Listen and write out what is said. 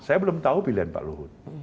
saya belum tahu pilihan pak luhut